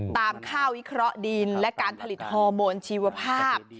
ตามค่าวิเคราะห์ดินและการผลิตฮอร์โมนชีวภาพ